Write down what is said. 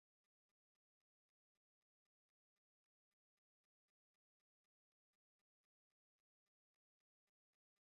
Balearoj nur gastigas anzin-arbarojn, precipe en Majorko.